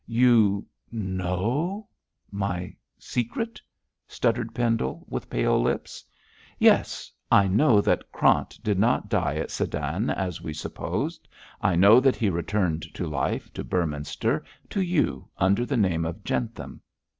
'You know my secret!' stuttered Pendle, with pale lips. 'Yes, I know that Krant did not die at Sedan as we supposed. I know that he returned to life to Beorminster to you, under the name of Jentham!